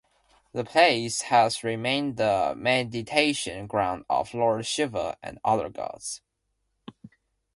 The place has remained the meditation ground of Lord Shiva and other Gods.